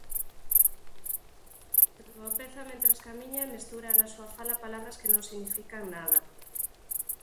Tropeza mentres camiña e mestura na súa fala palabras que non significan nada”.